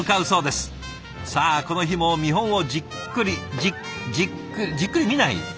さあこの日も見本をじっくりじっじっくじっくり見ない？